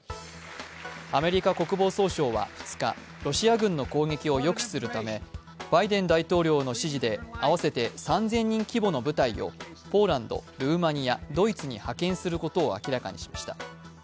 アメリカ国防総省は２日、ロシア軍の攻撃を抑止するためバイデン大統領の指示で合わせて３０００人規模の部隊をポーランド、ルーマニア、ドイツに派遣することを明らかにしました。